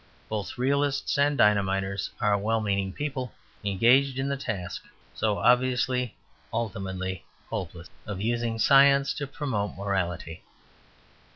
Both realists and dynamiters are well meaning people engaged in the task, so obviously ultimately hopeless, of using science to promote morality.